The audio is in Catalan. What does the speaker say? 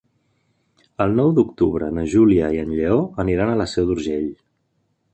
El nou d'octubre na Júlia i en Lleó aniran a la Seu d'Urgell.